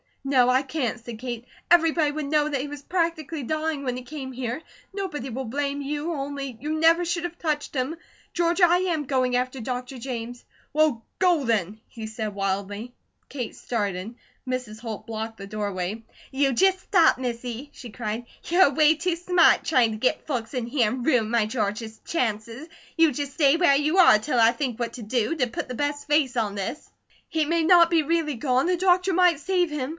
"No, I can't," said Kate. "Everybody would know that he was practically dying when he came here. Nobody will blame you, only, you never should have touched him! George, I AM going after Dr. James." "Well, go then," he said wildly. Kate started. Mrs. Holt blocked the doorway. "You just stop, Missy!" she cried. "You're away too smart, trying to get folks in here, and ruin my George's chances. You just stay where you are till I think what to do, to put the best face on this!" "He may not be really gone! The doctor might save him!"